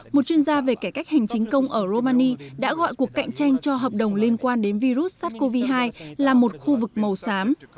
một chuyên gia về cải cách hành chính công ở romani đã gọi cuộc cạnh tranh cho hợp đồng liên quan đến virus sars cov hai là một khu vực màu xám